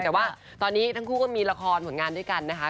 แต่ว่าตอนนี้ทั้งคู่ก็มีละครผลงานด้วยกันนะคะ